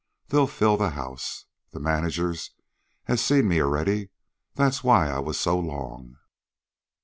They'll fill the house. The managers has seen me already. That was why I was so long.